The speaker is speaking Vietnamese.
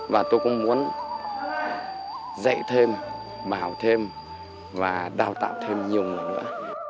và tôi cũng muốn dạy thêm vào thêm và đào tạo thêm nhiều người nữa